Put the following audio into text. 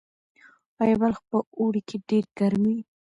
آیا بلخ په اوړي کې ډیر ګرم وي؟